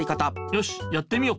よしやってみよ。